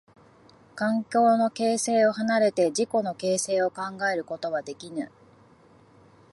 環境の形成を離れて自己の形成を考えることはできぬ。